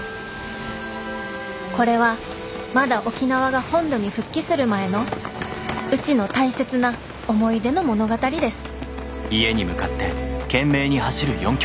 これはまだ沖縄が本土に復帰する前のうちの大切な思い出の物語です